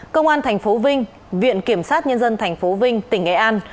công an tp vinh viện kiểm sát nhân dân tp vinh tỉnh nghệ an